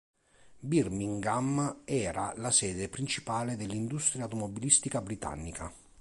Birmingham era la sede principale dell'industria automobilistica britannica.